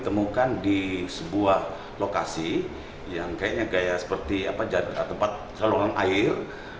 temukan di sebuah lokasi yang kayaknya kayak seperti tempat saluran air